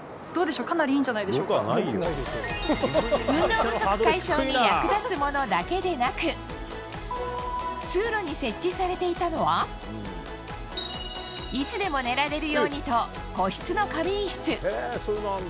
運動不足解消に役立つものだけでなく通路に設置されていたのはいつでも寝られるようにと個室の仮眠室。